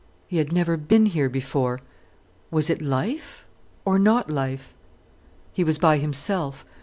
He had never been here before. Was it life, or not life? He was by himself.